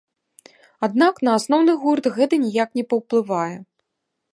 Аднак, на асноўны гурт гэта ніяк не паўплывае.